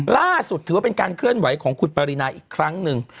ล่าสุดถือว่าเป็นการเคลื่อนไหวของคุณปรินาอีกครั้งหนึ่ง